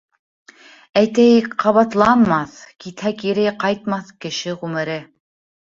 Әйтәйек, ҡабатланмаҫ, китһә кире ҡайтмаҫ кеше ғүмере.